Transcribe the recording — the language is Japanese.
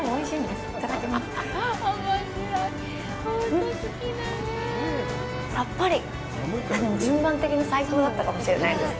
でも順番的に最高だったかもしれないです。